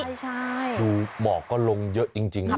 ใช่ดูหมอกก็ลงเยอะจริงนะครับ